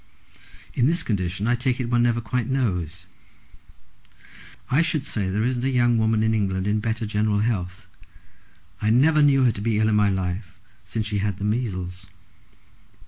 "In this condition I take it one never quite knows." "I should say there isn't a young woman in England in better general health. I never knew her to be ill in my life since she had the measles."